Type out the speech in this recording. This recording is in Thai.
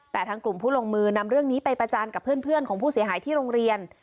แต่ทางกลุ่มผู้ลงมือนำเรื่องนี้ไปประจานกับเพื่อนของผู้เสียหายที่โรงเรียน